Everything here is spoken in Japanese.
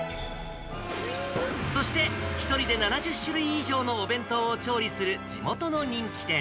そして、１人で７０種類以上のお弁当を調理する地元の人気店。